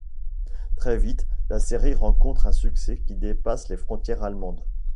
Très vite, la série rencontre un succès qui dépasse les frontières allemandes.